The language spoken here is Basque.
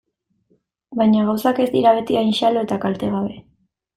Baina gauzak ez dira beti hain xalo eta kaltegabe.